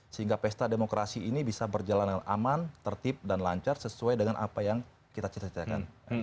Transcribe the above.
sehingga pesta demokrasi ini bisa berjalan dengan aman tertib dan lancar sesuai dengan apa yang kita cita citakan